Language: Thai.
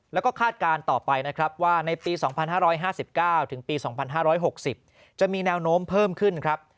แล้วก็คาดการณ์ต่อไปนะครับว่าในปี๒๕๕๙ถึงปี๒๕๖๐จะมีแนวโน้มเพิ่มขึ้นครับ